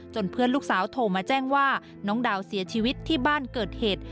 เพื่อนลูกสาวโทรมาแจ้งว่าน้องดาวเสียชีวิตที่บ้านเกิดเหตุ